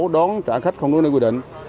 đón trả khách không đối nơi quy định